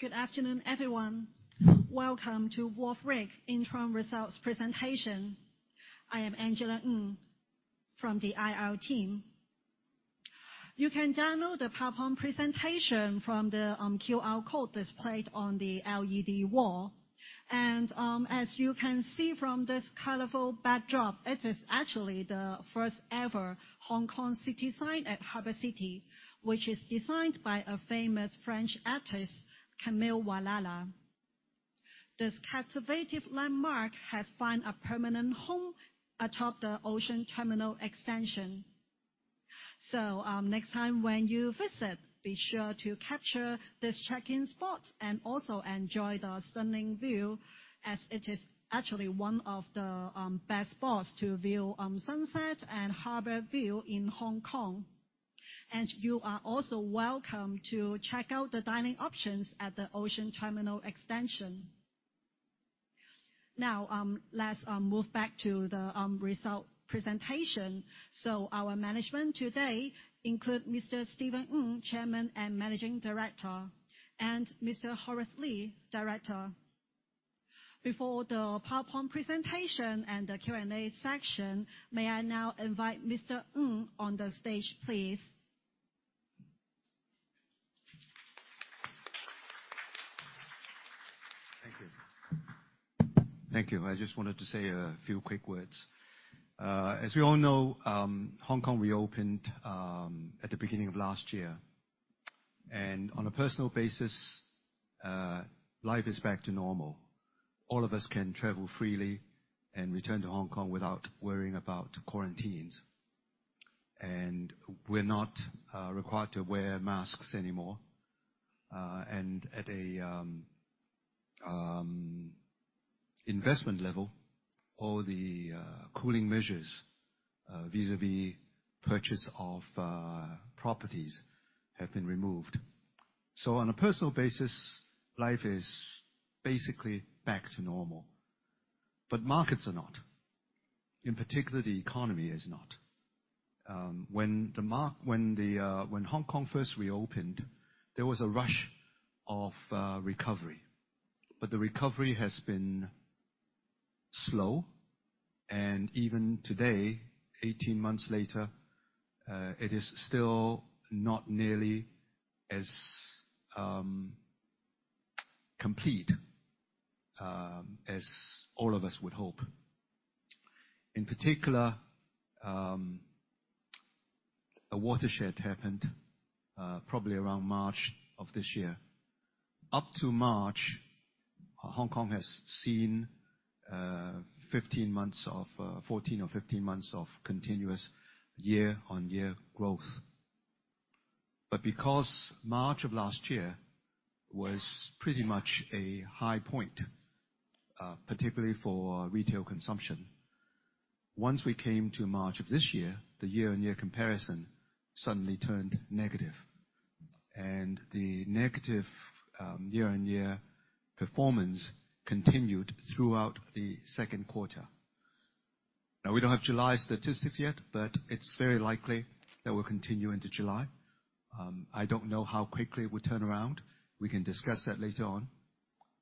Good afternoon, everyone. Welcome to Wharf REIC's interim results presentation. I am Angela Ng from the IR team. You can download the PowerPoint presentation from the QR code displayed on the LED wall. And as you can see from this colorful backdrop, it is actually the first-ever Hong Kong City Sign at Harbour City, which is designed by a famous French artist, Camille Walala. This captivating landmark has found a permanent home atop the Ocean Terminal Extension. So next time when you visit, be sure to capture this check-in spot and also enjoy the stunning view, as it is actually one of the best spots to view sunset and harbor view in Hong Kong. And you are also welcome to check out the dining options at the Ocean Terminal Extension. Now, let's move back to the result presentation. So our management today includes Mr. Stephen Ng, Chairman and Managing Director, and Mr. Horace Lee, Director. Before the PowerPoint presentation and the Q&A section, may I now invite Mr. Ng on the stage, please? Thank you. Thank you. I just wanted to say a few quick words. As we all know, Hong Kong reopened at the beginning of last year. And on a personal basis, life is back to normal. All of us can travel freely and return to Hong Kong without worrying about quarantines. And we're not required to wear masks anymore. And at an investment level, all the cooling measures vis-à-vis purchase of properties have been removed. So on a personal basis, life is basically back to normal. But markets are not. In particular, the economy is not. When Hong Kong first reopened, there was a rush of recovery. But the recovery has been slow. And even today, 18 months later, it is still not nearly as complete as all of us would hope. In particular, a watershed happened probably around March of this year. Up to March, Hong Kong has seen 14 or 15 months of continuous year-on-year growth. But because March of last year was pretty much a high point, particularly for retail consumption, once we came to March of this year, the year-on-year comparison suddenly turned negative. And the negative year-on-year performance continued throughout the second quarter. Now, we don't have July statistics yet, but it's very likely that will continue into July. I don't know how quickly it will turn around. We can discuss that later on.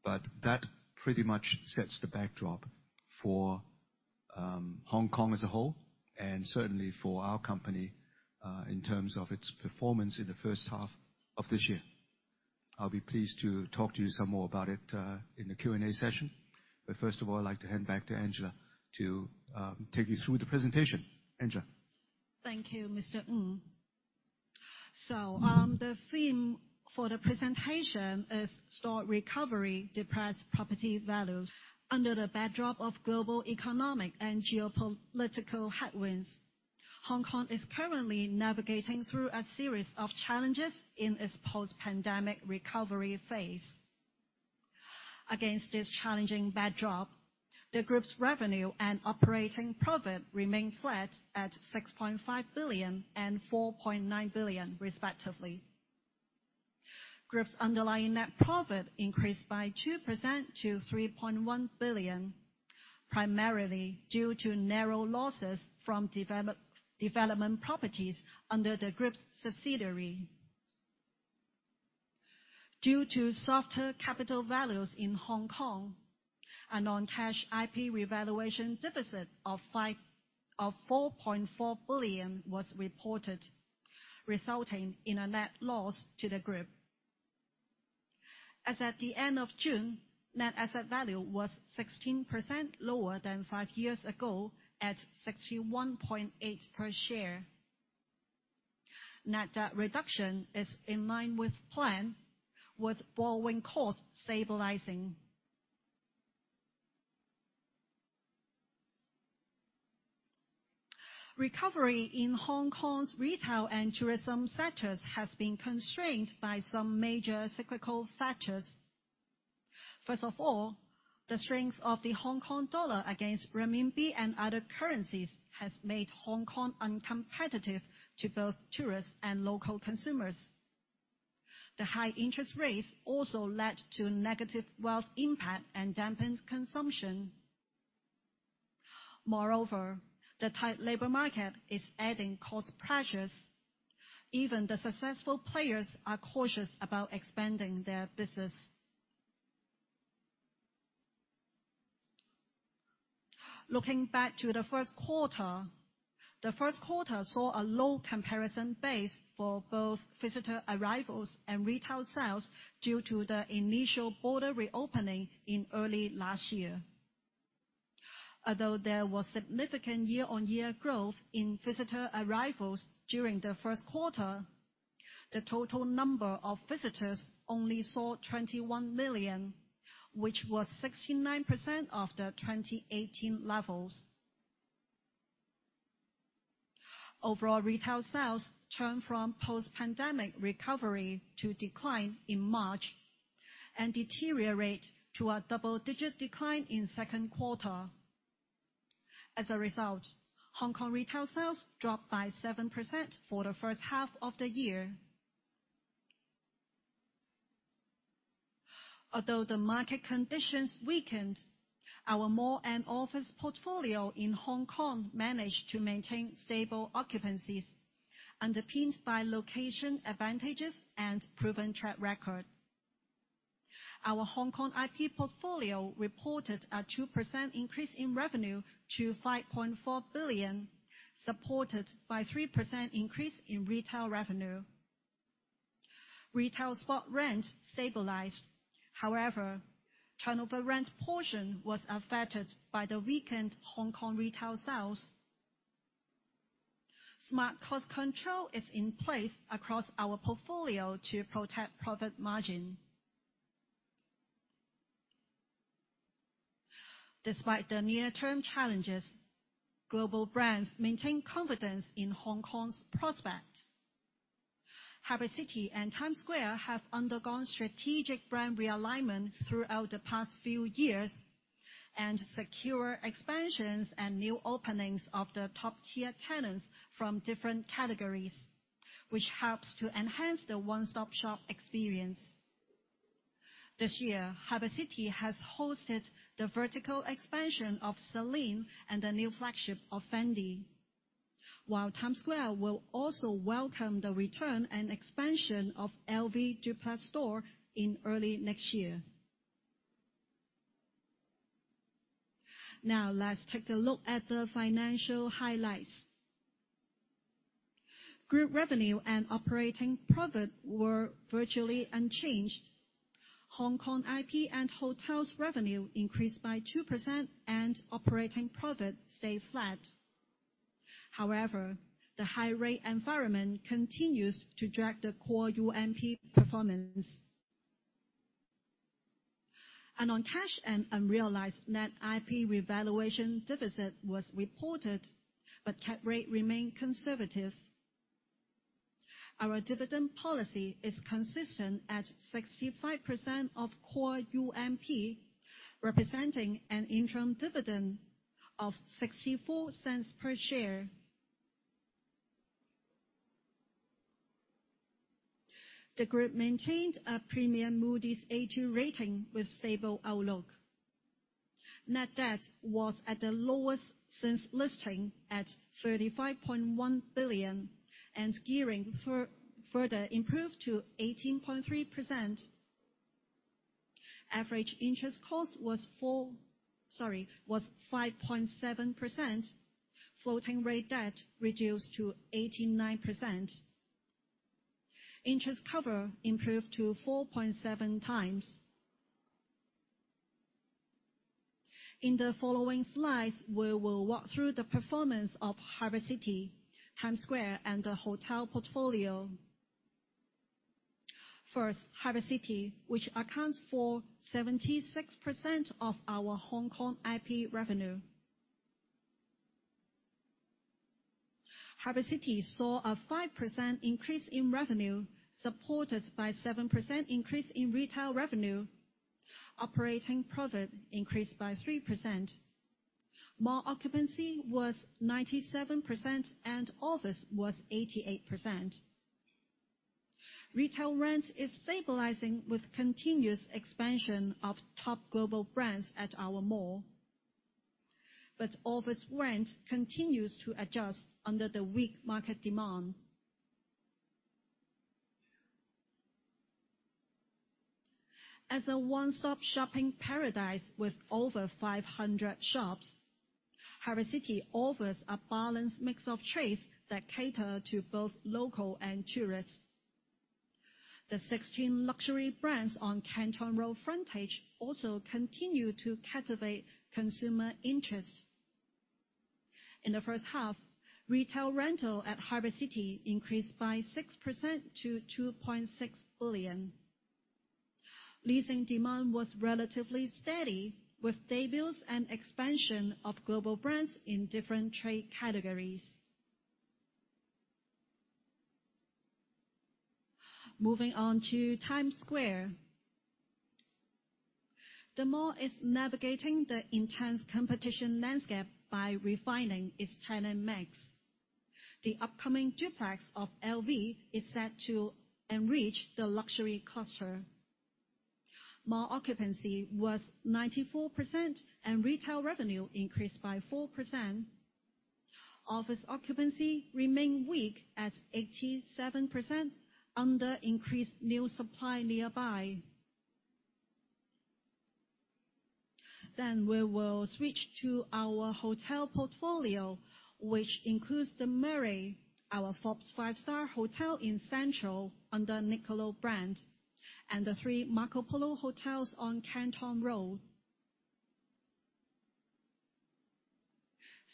But that pretty much sets the backdrop for Hong Kong as a whole, and certainly for our company in terms of its performance in the first half of this year. I'll be pleased to talk to you some more about it in the Q&A session. But first of all, I'd like to hand back to Angela to take you through the presentation. Angela. Thank you, Mr. Ng. So the theme for the presentation is "Strong Recovery: Depressed Property Values." Under the backdrop of global economic and geopolitical headwinds, Hong Kong is currently navigating through a series of challenges in its post-pandemic recovery phase. Against this challenging backdrop, the group's revenue and operating profit remain flat at 6.5 billion and 4.9 billion, respectively. Group's underlying net profit increased by 2% to 3.1 billion, primarily due to narrow losses from development properties under the group's subsidiary. Due to softer capital values in Hong Kong, a non-cash IP revaluation deficit of 4.4 billion was reported, resulting in a net loss to the group. As at the end of June, net asset value was 16% lower than five years ago at 61.8 per share. Net debt reduction is in line with plan, with borrowing costs stabilizing. Recovery in Hong Kong's retail and tourism sectors has been constrained by some major cyclical factors. First of all, the strength of the Hong Kong dollar against renminbi and other currencies has made Hong Kong uncompetitive to both tourists and local consumers. The high interest rates also led to negative wealth impact and dampened consumption. Moreover, the tight labor market is adding cost pressures. Even the successful players are cautious about expanding their business. Looking back to the first quarter, the first quarter saw a low comparison base for both visitor arrivals and retail sales due to the initial border reopening in early last year. Although there was significant year-on-year growth in visitor arrivals during the first quarter, the total number of visitors only saw 21 million, which was 69% of the 2018 levels. Overall, retail sales turned from post-pandemic recovery to decline in March and deteriorate to a double-digit decline in second quarter. As a result, Hong Kong retail sales dropped by 7% for the first half of the year. Although the market conditions weakened, our mall and office portfolio in Hong Kong managed to maintain stable occupancies, underpinned by location advantages and proven track record. Our Hong Kong IP portfolio reported a 2% increase in revenue to 5.4 billion, supported by a 3% increase in retail revenue. Retail spot rent stabilized. However, turnover rent portion was affected by the weakened Hong Kong retail sales. Smart cost control is in place across our portfolio to protect profit margin. Despite the near-term challenges, global brands maintain confidence in Hong Kong's prospects. Harbour City and Times Square have undergone strategic brand realignment throughout the past few years and secure expansions and new openings of the top-tier tenants from different categories, which helps to enhance the one-stop-shop experience. This year, Harbour City has hosted the vertical expansion of Celine and the new flagship of Fendi, while Times Square will also welcome the return and expansion of LV duplex store in early next year. Now, let's take a look at the financial highlights. Group revenue and operating profit were virtually unchanged. Hong Kong IP and hotels' revenue increased by 2%, and operating profit stayed flat. However, the high-rate environment continues to drag the Core UNP performance. A non-cash and unrealized net IP revaluation deficit was reported, but cap rate remained conservative. Our dividend policy is consistent at 65% of Core UNP, representing an interim dividend of 0.64 per share. The group maintained a premium Moody's A2 rating with stable outlook. Net debt was at the lowest since listing at 35.1 billion, and gearing further improved to 18.3%. Average interest cost was 5.7%. Floating rate debt reduced to 89%. Interest cover improved to 4.7x. In the following slides, we will walk through the performance of Harbour City, Times Square, and the hotel portfolio. First, Harbour City, which accounts for 76% of our Hong Kong IP revenue. Harbour City saw a 5% increase in revenue, supported by a 7% increase in retail revenue. Operating profit increased by 3%. Mall occupancy was 97%, and office was 88%. Retail rent is stabilizing with continuous expansion of top global brands at our mall. But office rent continues to adjust under the weak market demand. As a one-stop shopping paradise with over 500 shops, Harbour City offers a balanced mix of trades that cater to both locals and tourists. The 16 luxury brands on Canton Road frontage also continue to captivate consumer interest. In the first half, retail rental at Harbour City increased by 6% to 2.6 billion. Leasing demand was relatively steady, with debuts and expansion of global brands in different trade categories. Moving on to Times Square, the mall is navigating the intense competition landscape by refining its tenant mix. The upcoming duplex of LV is set to enrich the luxury cluster. Mall occupancy was 94%, and retail revenue increased by 4%. Office occupancy remained weak at 87% under increased new supply nearby. We will switch to our hotel portfolio, which includes The Murray, our Forbes Five-Star Hotel in Central under Niccolo brand, and the three Marco Polo Hotels on Canton Road.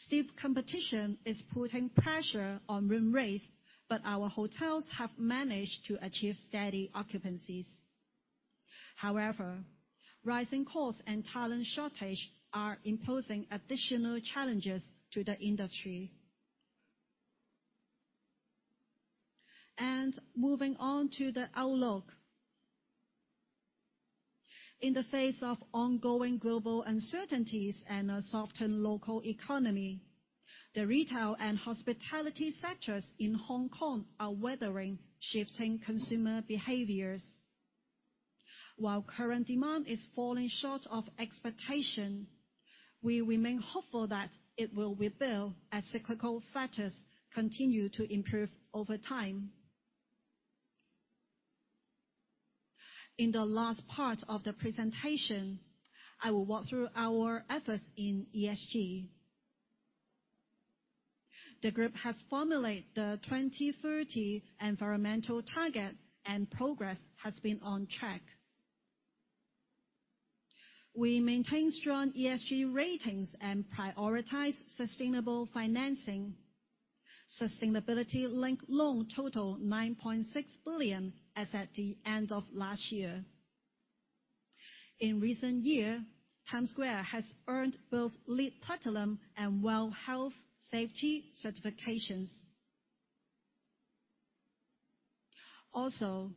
Steep competition is putting pressure on room rates, but our hotels have managed to achieve steady occupancies. However, rising costs and talent shortage are imposing additional challenges to the industry. Moving on to the outlook. In the face of ongoing global uncertainties and a softened local economy, the retail and hospitality sectors in Hong Kong are weathering shifting consumer behaviors. While current demand is falling short of expectation, we remain hopeful that it will rebuild as cyclical factors continue to improve over time. In the last part of the presentation, I will walk through our efforts in ESG. The group has formulated the 2030 environmental target, and progress has been on track. We maintain strong ESG ratings and prioritize sustainable financing. Sustainability-linked loan totaled 9.6 billion as at the end of last year. In recent years, Times Square has earned both LEED Platinum and WELL Health-Safety certifications. Also,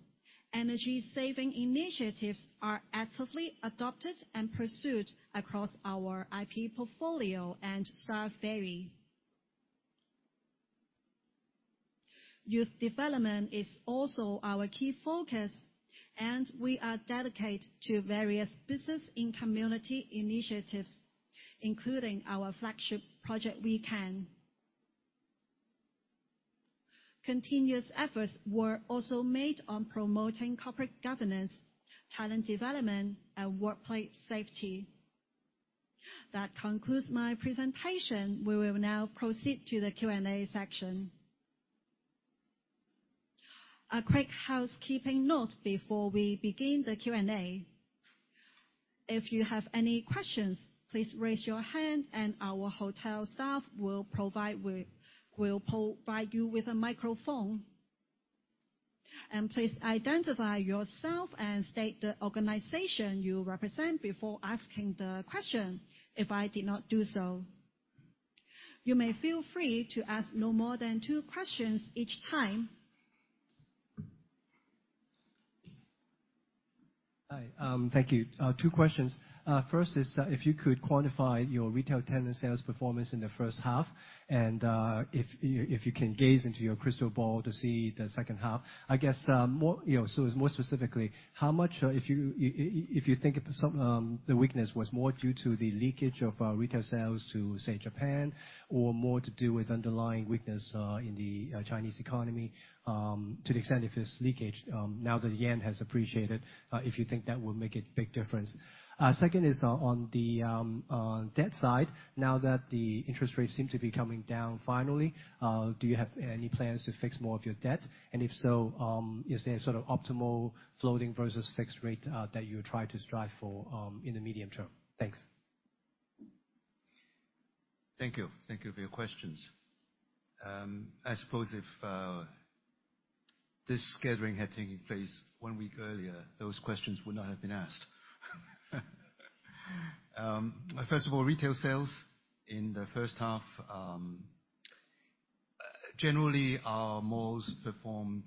energy-saving initiatives are actively adopted and pursued across our IP portfolio and Star Ferry. Youth development is also our key focus, and we are dedicated to various business and community initiatives, including our flagship Project WeCan. Continuous efforts were also made on promoting corporate governance, talent development, and workplace safety. That concludes my presentation. We will now proceed to the Q&A section. A quick housekeeping note before we begin the Q&A. If you have any questions, please raise your hand, and our hotel staff will provide you with a microphone. And please identify yourself and state the organization you represent before asking the question. If I did not do so, you may feel free to ask no more than two questions each time. Hi. Thank you. Two questions. First is if you could quantify your retail tenant sales performance in the first half, and if you can gaze into your crystal ball to see the second half. I guess more specifically, how much if you think the weakness was more due to the leakage of retail sales to, say, Japan, or more to do with underlying weakness in the Chinese economy to the extent if it's leakage now that the yen has appreciated, if you think that would make a big difference. Second is on the debt side, now that the interest rates seem to be coming down finally, do you have any plans to fix more of your debt? And if so, is there sort of optimal floating versus fixed rate that you would try to strive for in the medium term? Thanks. Thank you. Thank you for your questions. I suppose if this gathering had taken place one week earlier, those questions would not have been asked. First of all, retail sales in the first half, generally, our malls performed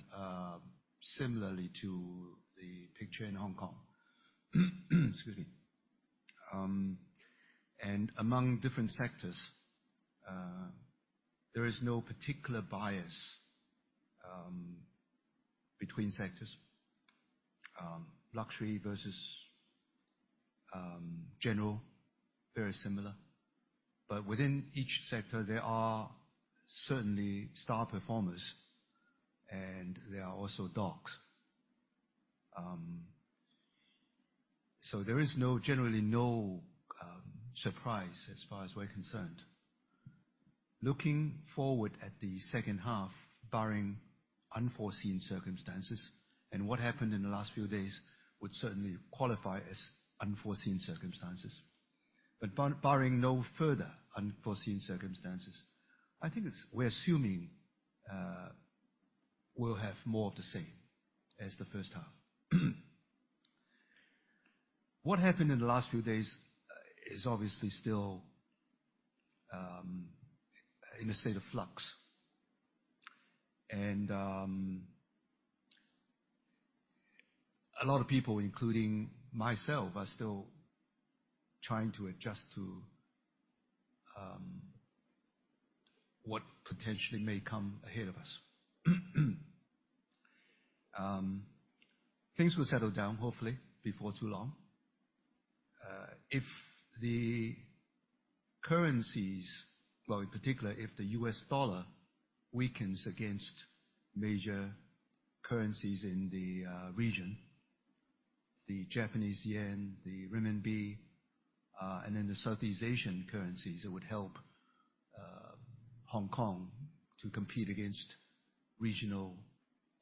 similarly to the picture in Hong Kong. Among different sectors, there is no particular bias between sectors. Luxury versus general, very similar. Within each sector, there are certainly star performers, and there are also dogs. There is generally no surprise as far as we're concerned. Looking forward at the second half, barring unforeseen circumstances, and what happened in the last few days would certainly qualify as unforeseen circumstances. Barring no further unforeseen circumstances, I think we're assuming we'll have more of the same as the first half. What happened in the last few days is obviously still in a state of flux. And a lot of people, including myself, are still trying to adjust to what potentially may come ahead of us. Things will settle down, hopefully, before too long. If the currencies, well, in particular, if the U.S. dollar weakens against major currencies in the region, the Japanese yen, the renminbi, and then the Southeast Asian currencies, it would help Hong Kong to compete against regional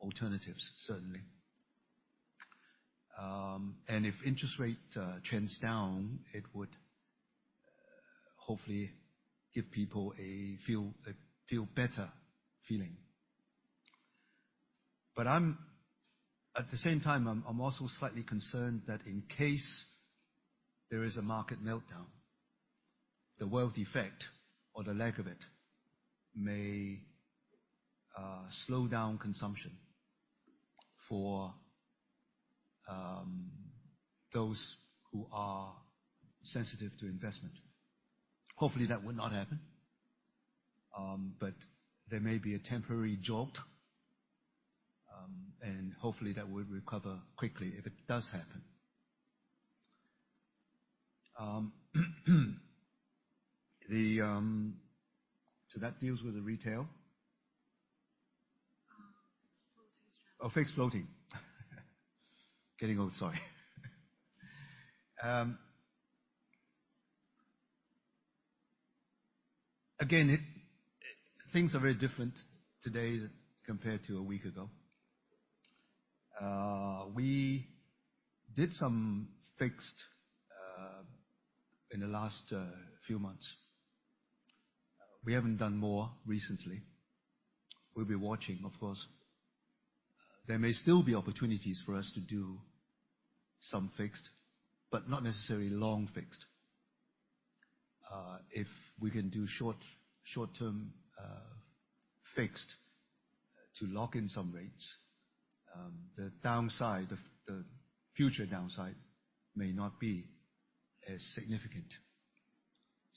alternatives, certainly. And if interest rate trends down, it would hopefully give people a feel better feeling. But at the same time, I'm also slightly concerned that in case there is a market meltdown, the wealth effect or the lack of it may slow down consumption for those who are sensitive to investment. Hopefully, that would not happen, but there may be a temporary jolt, and hopefully, that would recover quickly if it does happen. So that deals with the retail. Fixed floating strategy. Oh, fixed floating. Getting old, sorry. Again, things are very different today compared to a week ago. We did some fixed in the last few months. We haven't done more recently. We'll be watching, of course. There may still be opportunities for us to do some fixed, but not necessarily long fixed. If we can do short-term fixed to lock in some rates, the future downside may not be as significant.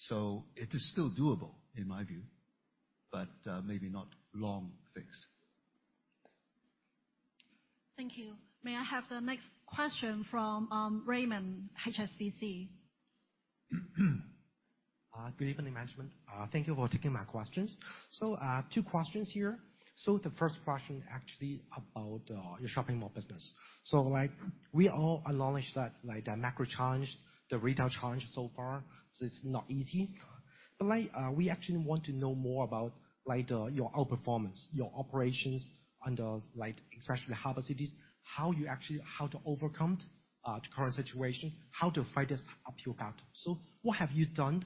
So it is still doable, in my view, but maybe not long fixed. Thank you. May I have the next question from Raymond, HSBC? Good evening, management. Thank you for taking my questions. So two questions here. So the first question actually about your shopping mall business. So we all acknowledge that the macro challenge, the retail challenge so far, it's not easy. But we actually want to know more about your outperformance, your operations under, especially Harbour City, how you actually how to overcome the current situation, how to fight this uphill battle. So what have you done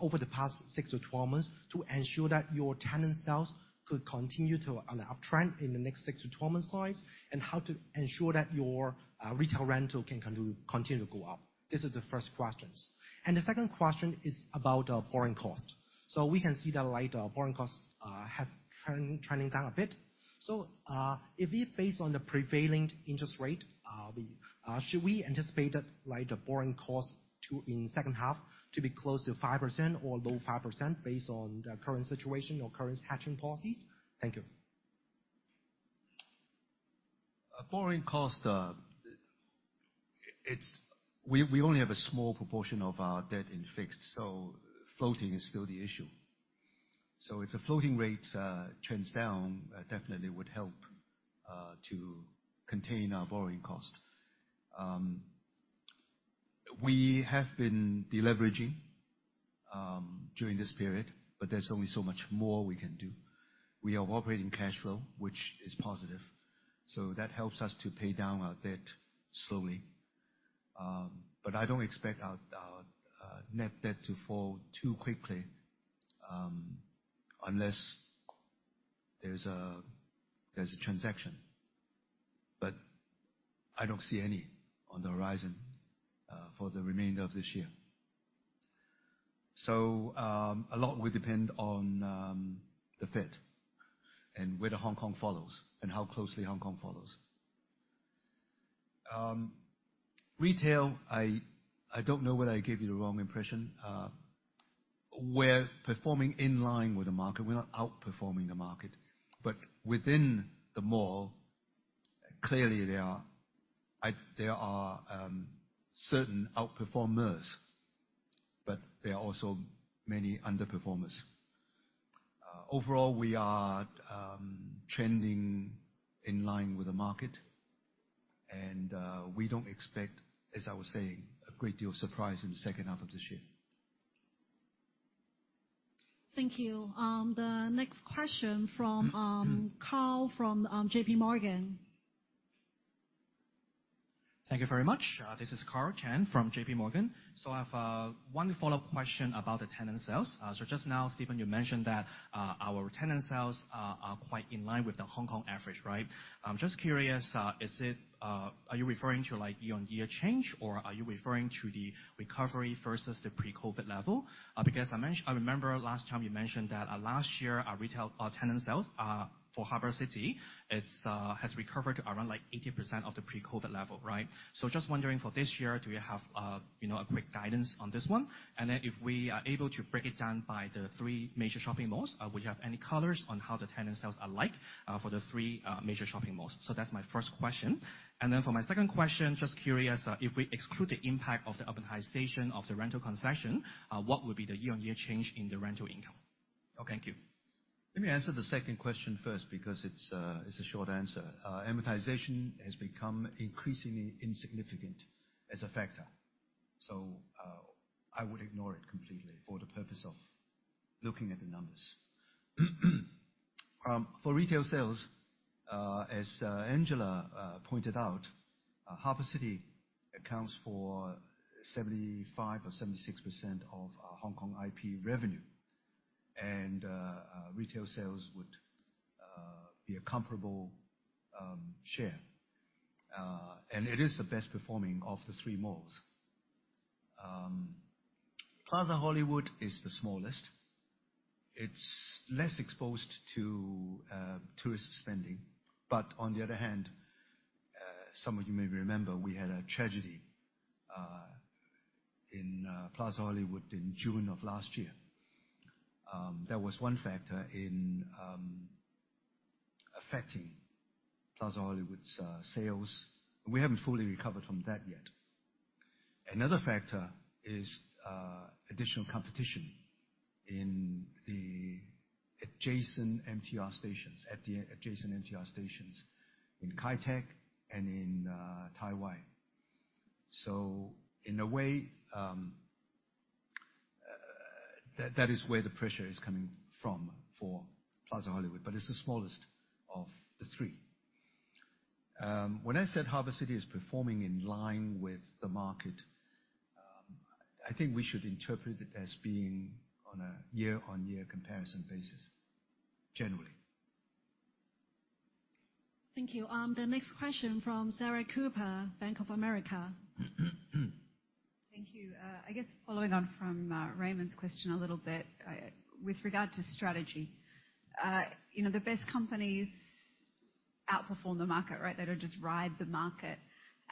over the past six to 12 months to ensure that your tenant sales could continue to on an uptrend in the next six to 12 months' time, and how to ensure that your retail rental can continue to go up? This is the first question. And the second question is about borrowing cost. So we can see that borrowing cost has trended down a bit. If we base on the prevailing interest rate, should we anticipate that borrowing cost in the second half to be close to 5% or low 5% based on the current situation or current hedging policies? Thank you. Borrowing cost, we only have a small proportion of our debt in fixed, so floating is still the issue. So if the floating rate trends down, definitely would help to contain our borrowing cost. We have been deleveraging during this period, but there's only so much more we can do. We have operating cash flow, which is positive. So that helps us to pay down our debt slowly. But I don't expect our net debt to fall too quickly unless there's a transaction. But I don't see any on the horizon for the remainder of this year. So a lot will depend on the Fed and where Hong Kong follows and how closely Hong Kong follows. Retail, I don't know whether I gave you the wrong impression. We're performing in line with the market. We're not outperforming the market. But within the mall, clearly, there are certain outperformers, but there are also many underperformers. Overall, we are trending in line with the market, and we don't expect, as I was saying, a great deal of surprise in the second half of this year. Thank you. The next question from Karl from JPMorgan. Thank you very much. This is Karl Chan from JPMorgan. So I have one follow-up question about the tenant sales. So just now, Stephen, you mentioned that our tenant sales are quite in line with the Hong Kong average, right? I'm just curious, are you referring to year-on-year change, or are you referring to the recovery versus the pre-COVID level? Because I remember last time you mentioned that last year, our retail tenant sales for Harbour City has recovered around 80% of the pre-COVID level, right? So just wondering for this year, do you have a quick guidance on this one? And then if we are able to break it down by the three major shopping malls, would you have any colors on how the tenant sales are like for the three major shopping malls? So that's my first question. And then for my second question, just curious, if we exclude the impact of the amortization of the rental concession, what would be the year-on-year change in the rental income? Thank you. Let me answer the second question first because it's a short answer. Amortization has become increasingly insignificant as a factor. So I would ignore it completely for the purpose of looking at the numbers. For retail sales, as Angela pointed out, Harbour City accounts for 75% or 76% of Hong Kong IP revenue. Retail sales would be a comparable share. It is the best performing of the three malls. Plaza Hollywood is the smallest. It's less exposed to tourist spending. But on the other hand, some of you may remember we had a tragedy in Plaza Hollywood in June of last year. That was one factor in affecting Plaza Hollywood's sales. We haven't fully recovered from that yet. Another factor is additional competition in the adjacent MTR stations, at the adjacent MTR stations in Kai Tak and in Tai Wai. So in a way, that is where the pressure is coming from for Plaza Hollywood, but it's the smallest of the three. When I said Harbour City is performing in line with the market, I think we should interpret it as being on a year-on-year comparison basis, generally. Thank you. The next question from Sarah Cooper, Bank of America. Thank you. I guess following on from Raymond's question a little bit with regard to strategy. The best companies outperform the market, right? They don't just ride the market.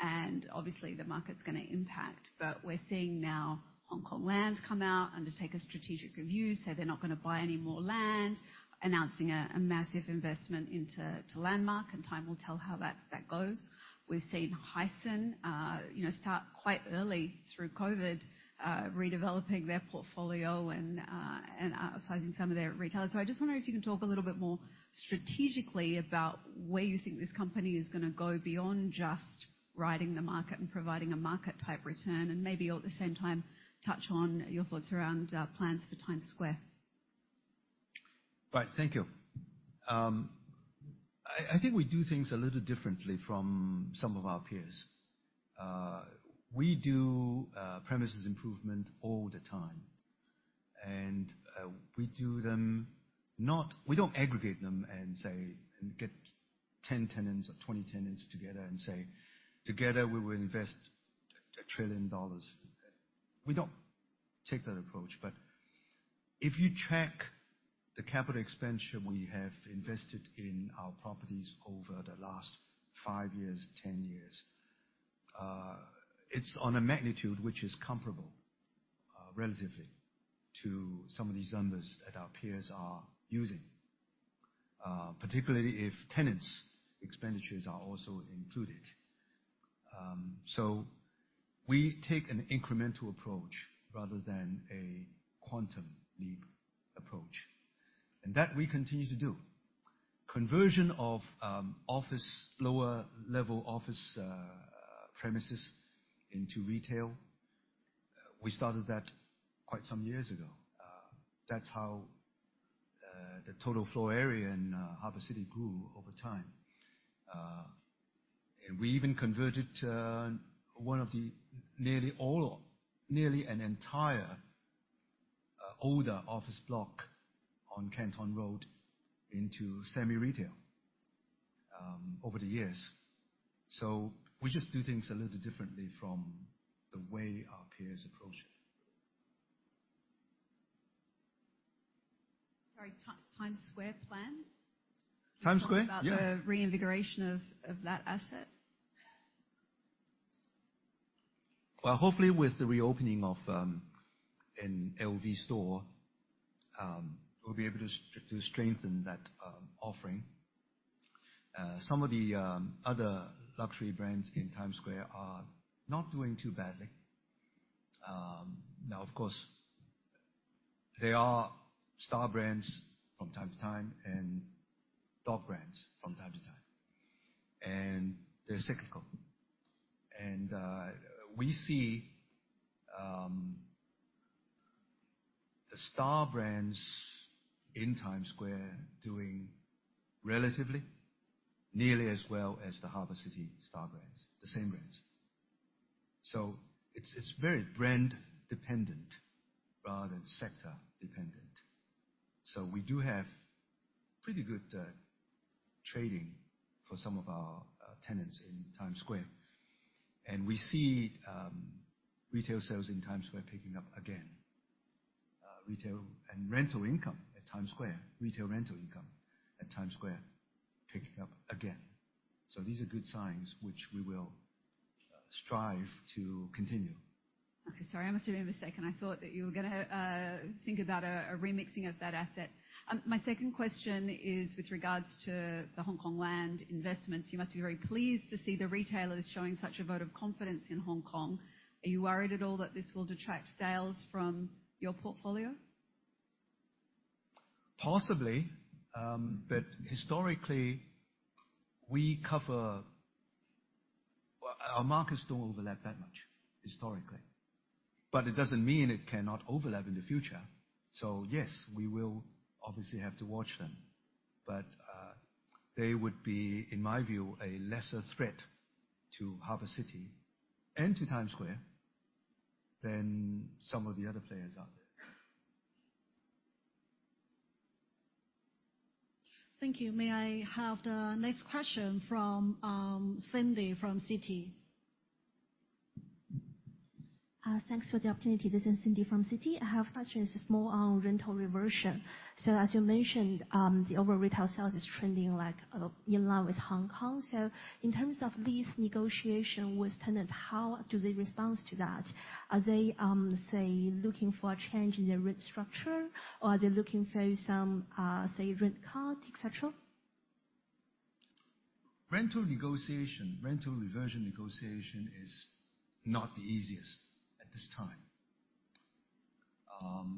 And obviously, the market's going to impact. But we're seeing now Hongkong Land come out, undertake a strategic review, say they're not going to buy any more land, announcing a massive investment into Landmark, and time will tell how that goes. We've seen Hysan start quite early through COVID, redeveloping their portfolio and outsizing some of their retailers. So I just wonder if you can talk a little bit more strategically about where you think this company is going to go beyond just riding the market and providing a market-type return, and maybe at the same time, touch on your thoughts around plans for Times Square. Right. Thank you. I think we do things a little differently from some of our peers. We do premises improvement all the time. And we do them, not we don't aggregate them and say and get 10 tenants or 20 tenants together and say, "Together, we will invest 1 trillion dollars." We don't take that approach. But if you track the capital expenditure we have invested in our properties over the last five years, 10 years, it's on a magnitude which is comparable, relatively, to some of these numbers that our peers are using, particularly if tenants' expenditures are also included. So we take an incremental approach rather than a quantum leap approach. And that we continue to do. Conversion of lower-level office premises into retail, we started that quite some years ago. That's how the total floor area in Harbour City grew over time. We even converted one of the nearly an entire older office block on Canton Road into semi-retail over the years. We just do things a little differently from the way our peers approach it. Sorry, Times Square plans? Times Square? Yeah. About the reinvigoration of that asset? Well, hopefully, with the reopening of an LV store, we'll be able to strengthen that offering. Some of the other luxury brands in Times Square are not doing too badly. Now, of course, there are star brands from time to time and dog brands from time to time. And they're cyclical. And we see the star brands in Times Square doing relatively nearly as well as the Harbour City star brands, the same brands. So it's very brand-dependent rather than sector-dependent. So we do have pretty good trading for some of our tenants in Times Square. And we see retail sales in Times Square picking up again. Retail and rental income at Times Square, retail rental income at Times Square picking up again. So these are good signs which we will strive to continue. Okay. Sorry, I must have been mistaken. I thought that you were going to think about a remixing of that asset. My second question is with regards to the Hongkong Land investments. You must be very pleased to see the retailers showing such a vote of confidence in Hong Kong. Are you worried at all that this will detract sales from your portfolio? Possibly. But historically, our markets don't overlap that much, historically. But it doesn't mean it cannot overlap in the future. So yes, we will obviously have to watch them. But they would be, in my view, a lesser threat to Harbour City and to Times Square than some of the other players out there. Thank you. May I have the next question from Cindy from Citi? Thanks for the opportunity. This is Cindy from Citi. I have questions more on rental reversion. So as you mentioned, the overall retail sales is trending in line with Hong Kong. So in terms of lease negotiation with tenants, how do they respond to that? Are they, say, looking for a change in their rent structure, or are they looking for some, say, rent cut, etc.? Rental negotiation, rental reversion negotiation, is not the easiest at this time.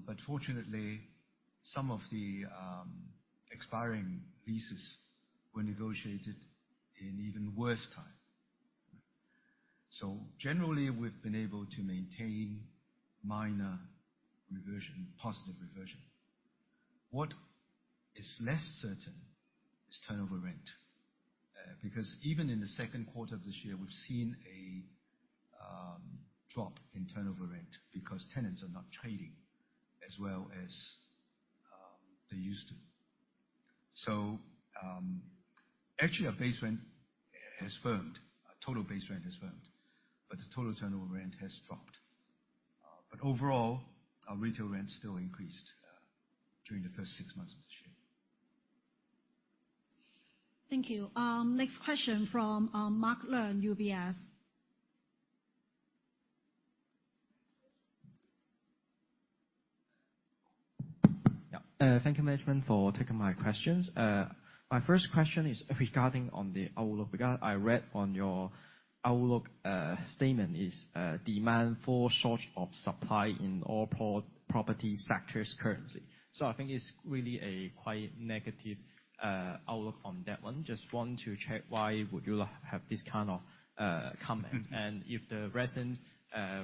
But fortunately, some of the expiring leases were negotiated in even worse time. Generally, we've been able to maintain minor reversion, positive reversion. What is less certain is turnover rent. Because even in the second quarter of this year, we've seen a drop in turnover rent because tenants are not trading as well as they used to. Actually, our base rent has firmed. Our total base rent has firmed. The total turnover rent has dropped. Overall, our retail rent still increased during the first six months of this year. Thank you. Next question from Mark Leung, UBS. Yeah. Thank you, Management, for taking my questions. My first question is regarding on the outlook. I read on your outlook statement is demand for short of supply in all property sectors currently. So I think it's really a quite negative outlook on that one. Just want to check why would you have this kind of comment. And if the recent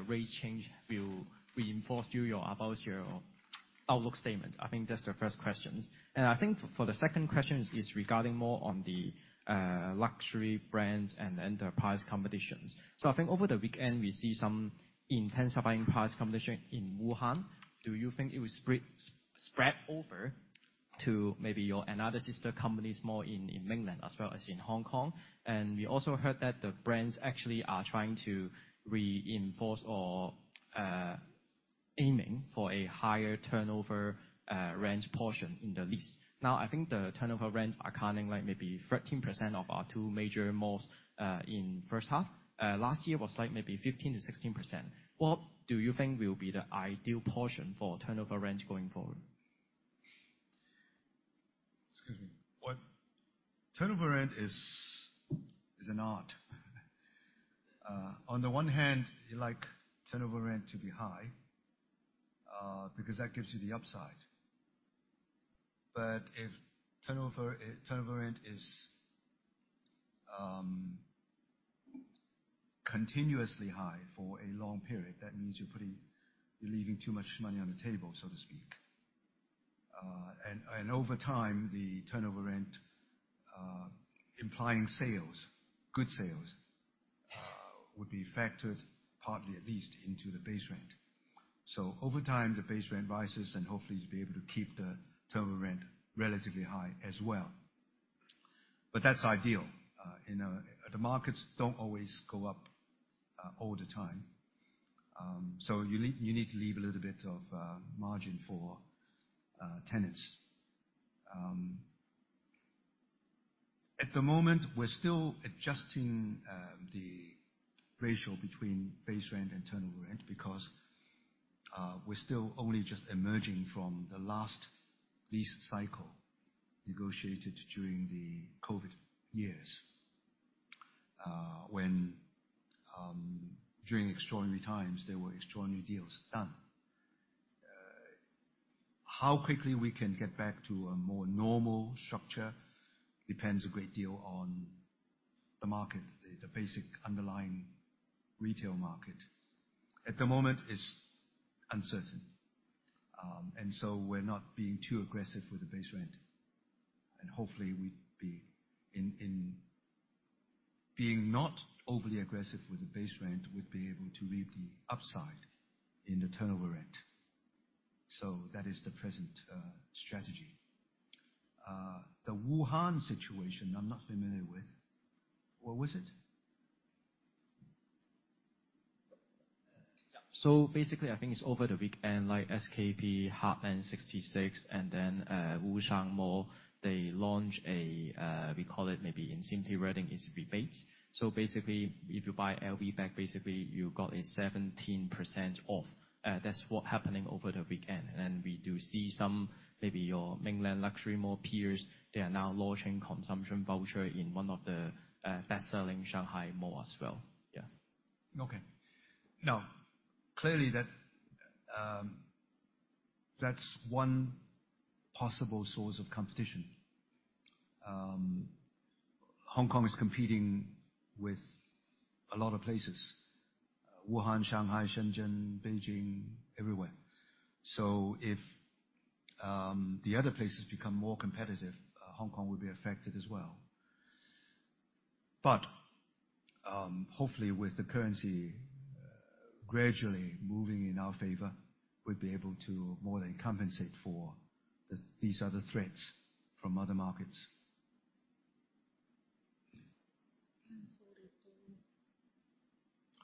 rate change will reinforce you about your outlook statement, I think that's the first question. And I think for the second question is regarding more on the luxury brands and enterprise competitions. So I think over the weekend, we see some intensifying price competition in Wuhan. Do you think it will spread over to maybe your another sister companies more in mainland as well as in Hong Kong? And we also heard that the brands actually are trying to reinforce or aiming for a higher turnover rent portion in the lease. Now, I think the turnover rents are currently maybe 13% of our two major malls in first half. Last year was maybe 15%-16%. What do you think will be the ideal portion for turnover rents going forward? Excuse me. What? Turnover rent is an art. On the one hand, you like turnover rent to be high because that gives you the upside. But if turnover rent is continuously high for a long period, that means you're leaving too much money on the table, so to speak. And over time, the turnover rent implying sales, good sales, would be factored partly at least into the base rent. So over time, the base rent rises, and hopefully, you'll be able to keep the turnover rent relatively high as well. But that's ideal. The markets don't always go up all the time. So you need to leave a little bit of margin for tenants. At the moment, we're still adjusting the ratio between base rent and turnover rent because we're still only just emerging from the last lease cycle negotiated during the COVID years when during extraordinary times, there were extraordinary deals done. How quickly we can get back to a more normal structure depends a great deal on the market, the basic underlying retail market. At the moment, it's uncertain. And so we're not being too aggressive with the base rent. And hopefully, we'd be in being not overly aggressive with the base rent, we'd be able to read the upside in the turnover rent. So that is the present strategy. The Wuhan situation, I'm not familiar with. What was it? Yeah. So basically, I think it's over the weekend, like SKP, Heartland 66, and then Wushang Mall, they launch a we call it maybe in CMT reading is rebates. So basically, if you buy LV bag, basically, you got a 17% off. That's what happening over the weekend. And then we do see some maybe your mainland luxury mall peers, they are now launching consumption voucher in one of the best-selling Shanghai malls as well. Yeah. Okay. Now, clearly, that's one possible source of competition. Hong Kong is competing with a lot of places: Wuhan, Shanghai, Shenzhen, Beijing, everywhere. So if the other places become more competitive, Hong Kong will be affected as well. But hopefully, with the currency gradually moving in our favor, we'd be able to more than compensate for these other threats from other markets.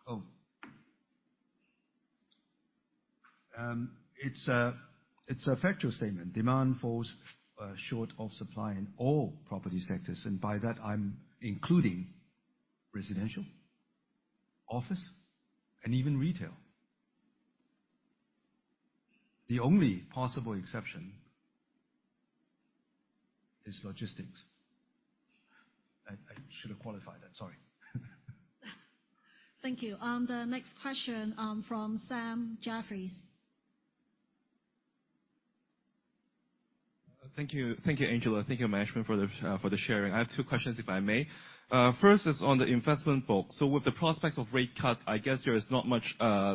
Oh. It's a factual statement. Demand falls short of supply in all property sectors. And by that, I'm including residential, office, and even retail. The only possible exception is logistics. I should have qualified that. Sorry. Thank you. The next question from Sam Wong. Thank you, Angela. Thank you, Management, for the sharing. I have two questions, if I may. First is on the investment book. So with the prospects of rate cuts, I guess there is not much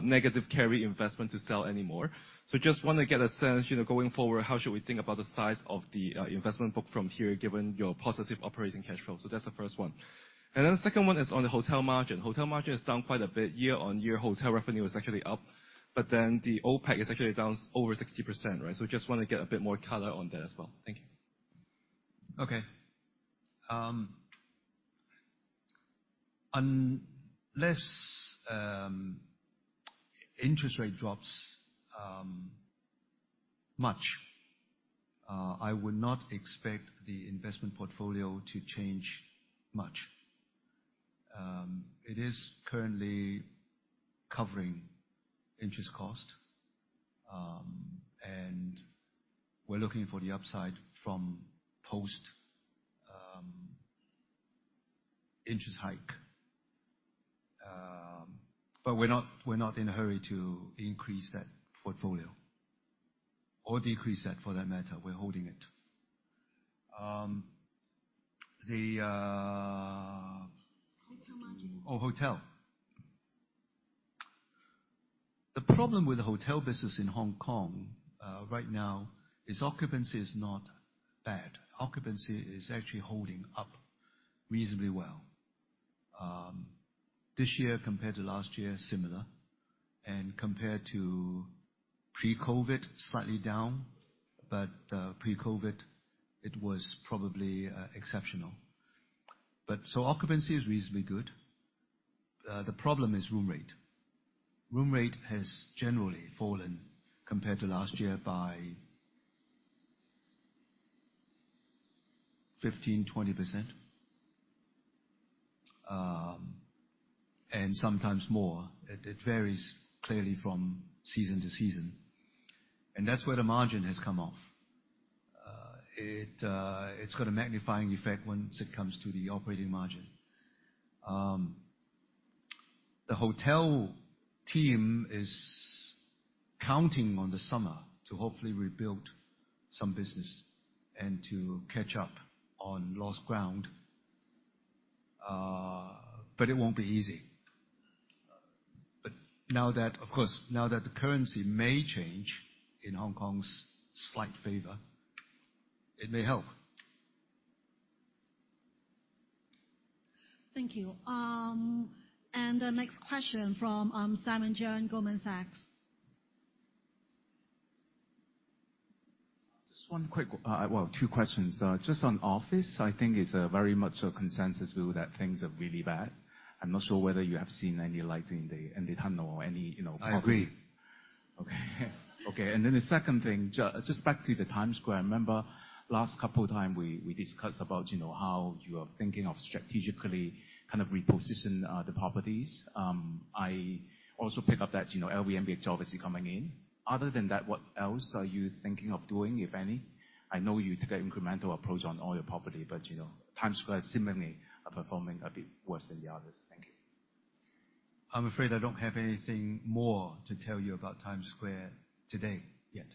negative carry investment to sell anymore. So just want to get a sense, going forward, how should we think about the size of the investment book from here given your positive operating cash flow? So that's the first one. And then the second one is on the hotel margin. Hotel margin is down quite a bit. Year-on-year, hotel revenue is actually up. But then the OpEx is actually down over 60%, right? So just want to get a bit more color on that as well. Thank you. Okay. Unless interest rate drops much, I would not expect the investment portfolio to change much. It is currently covering interest cost. We're looking for the upside from post-interest hike. But we're not in a hurry to increase that portfolio or decrease that, for that matter. We're holding it. Hotel margin. Oh, hotel. The problem with the hotel business in Hong Kong right now is occupancy is not bad. Occupancy is actually holding up reasonably well. This year compared to last year, similar. And compared to pre-COVID, slightly down. But pre-COVID, it was probably exceptional. So occupancy is reasonably good. The problem is room rate. Room rate has generally fallen compared to last year by 15%, 20%, and sometimes more. It varies clearly from season to season. And that's where the margin has come off. It's got a magnifying effect once it comes to the operating margin. The hotel team is counting on the summer to hopefully rebuild some business and to catch up on lost ground. But it won't be easy. But of course, now that the currency may change in Hong Kong's slight favor, it may help. Thank you. And the next question from Simon Cheung, Goldman Sachs. Just one quick, two questions. Just on office, I think it's very much a consensus view that things are really bad. I'm not sure whether you have seen any light in the tunnel or any positive. I agree. Okay. Okay. And then the second thing, just back to the Times Square. I remember last couple of times we discussed about how you are thinking of strategically kind of reposition the properties. I also pick up that LVMH is obviously coming in. Other than that, what else are you thinking of doing, if any? I know you took an incremental approach on all your property, but Times Square is seemingly performing a bit worse than the others. Thank you. I'm afraid I don't have anything more to tell you about Times Square today yet.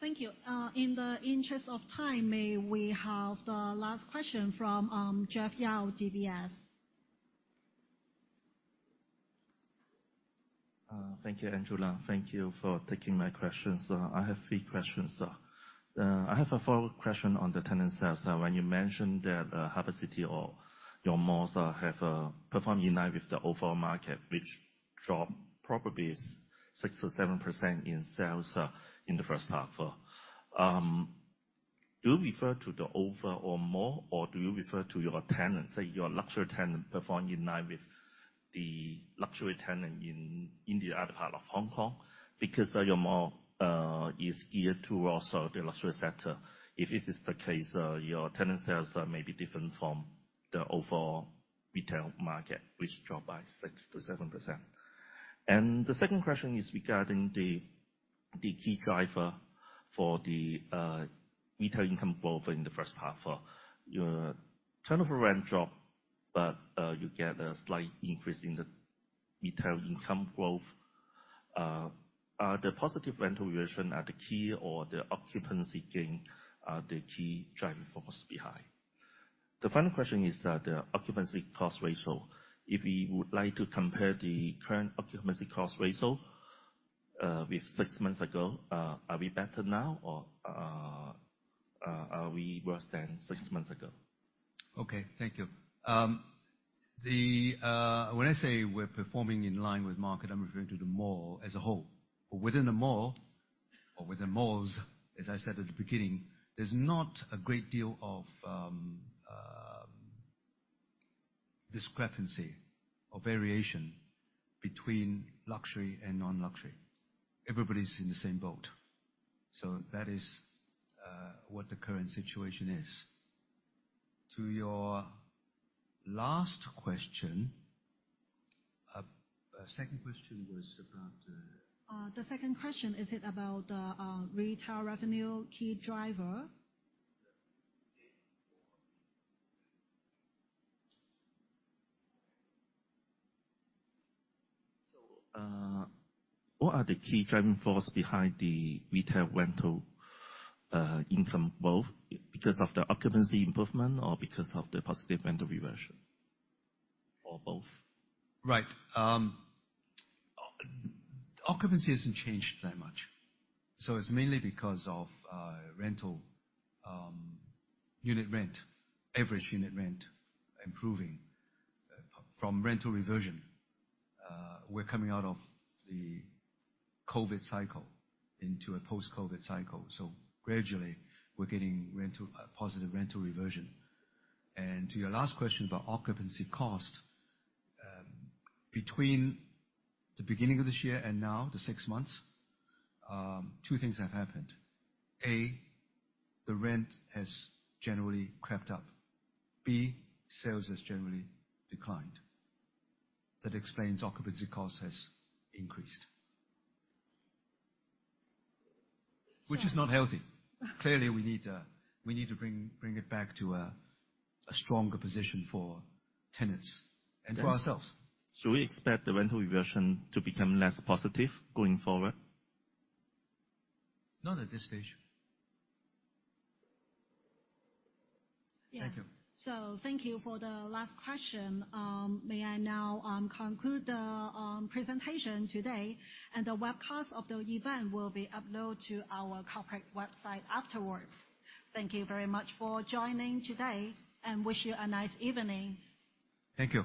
Thank you. In the interest of time, may we have the last question from Jeff Yau, DBS? Thank you, Angela. Thank you for taking my questions. I have three questions. I have a follow-up question on the tenant sales. When you mentioned that Harbour City or your malls have performed in line with the overall market, which dropped probably 6%-7% in sales in the first half. Do you refer to the overall more, or do you refer to your tenants, your luxury tenants performing in line with the luxury tenants in the other part of Hong Kong? Because your mall is geared toward the luxury sector. If it is the case, your tenant sales may be different from the overall retail market, which dropped by 6%-7%. And the second question is regarding the key driver for the retail income growth in the first half. Your turnover rent dropped, but you get a slight increase in the retail income growth. Are the positive rental reversion at the key or the occupancy gain the key driving force behind? The final question is the occupancy cost ratio. If we would like to compare the current occupancy cost ratio with six months ago, are we better now, or are we worse than six months ago? Okay. Thank you. When I say we're performing in line with market, I'm referring to the mall as a whole. But within the mall, or within malls, as I said at the beginning, there's not a great deal of discrepancy or variation between luxury and non-luxury. Everybody's in the same boat. So that is what the current situation is. To your last question, the second question was about. The second question, is it about the retail revenue key driver? What are the key driving force behind the retail rental income growth? Because of the occupancy improvement or because of the positive rental reversion or both? Right. Occupancy hasn't changed that much. So it's mainly because of rental unit rent, average unit rent improving from rental reversion. We're coming out of the COVID cycle into a post-COVID cycle. So gradually, we're getting positive rental reversion. And to your last question about occupancy cost, between the beginning of this year and now, the six months, two things have happened. A, the rent has generally crept up. B, sales has generally declined. That explains occupancy cost has increased, which is not healthy. Clearly, we need to bring it back to a stronger position for tenants and for ourselves. We expect the rental reversion to become less positive going forward? Not at this stage. Yeah. Thank you. Thank you for the last question. May I now conclude the presentation today? The webcast of the event will be uploaded to our corporate website afterwards. Thank you very much for joining today and wish you a nice evening. Thank you.